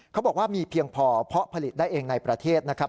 เขาบอกว่ามีเพียงพอเพาะผลิตได้เองในประเทศนะครับ